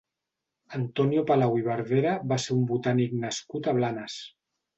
Antonio Palau i Verdera va ser un botànic nascut a Blanes.